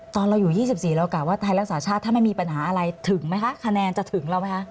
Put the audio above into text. ตอนเราอยู่๒๔แล้วกะไลน์ศาลชาติถ้่าไม่มีปัญหาอะไรถึงมั้ยคะคะแนน์จะถึงแล้วไหมคะ